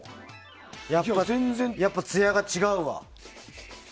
やっぱりつやが違うわ。